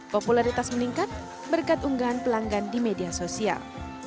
popularitas meningkat berkat unggahan pelanggan di media sosial